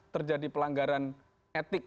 terjadi pelanggaran etik